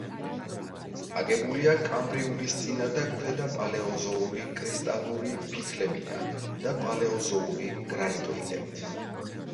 აგებულია კამბრიულისწინა და ქვედაპალეოზოური კრისტალური ფიქლებითა და პალეოზოური გრანიტოიდებით.